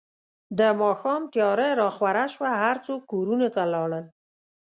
د ماښام تیاره راخوره شوه، هر څوک کورونو ته لاړل.